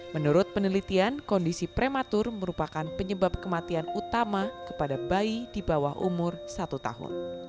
menurut penelitian kondisi prematur merupakan penyebab kematian utama kepada bayi di bawah umur satu tahun